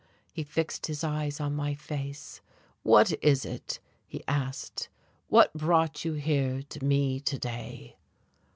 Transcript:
He fixed his eyes on my face. "What is it," he asked, "that brought you here to me, to day?"